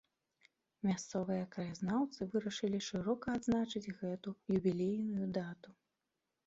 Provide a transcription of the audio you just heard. Мясцовыя краязнаўцы вырашылі шырока адзначыць гэту юбілейную дату.